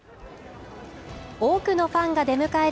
多くのファンが出迎える